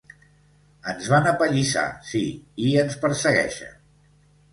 Ens van apallissar sí, i ens persegueixen.